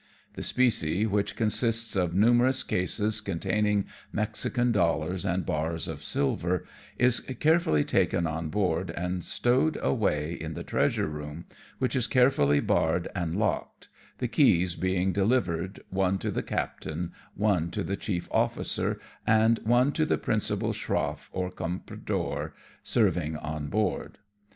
The specie, which consists of numerous cases containing Mexican dollars and bars of silver, is carefully taken on board and stowed away in the treasure room, which is carefully barred and locked, the keys being delivered, one to the captain, one to the chief officer, and one to the principal schroff or compradore serving on board.